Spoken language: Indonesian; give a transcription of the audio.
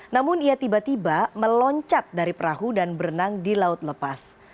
namun ia tiba tiba meloncat dari perahu dan berenang di laut lepas